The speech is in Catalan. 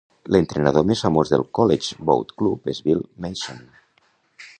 L'entrenador més famós del College Boat Club és Bill Mason.